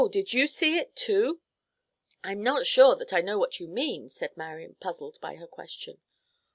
Did you see it, too?" "I'm not sure that I know what you mean," said Marian, puzzled by her question.